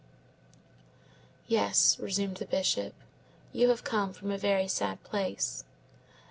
"Yes," resumed the Bishop, "you have come from a very sad place.